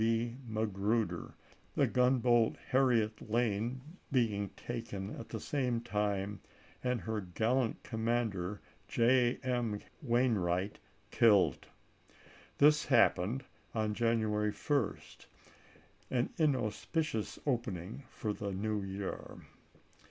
B. Magruder, the gunboat pim,*! Harriet Lane being taken at the same time and her gallant commander, J. M. Wainwright, killed. This isea. happened on January 1st ; an inauspicious opening for the New Year.